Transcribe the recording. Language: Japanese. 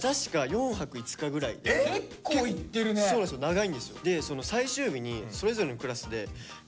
長いんですよ。